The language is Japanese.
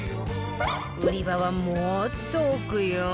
売り場はもっと奥よ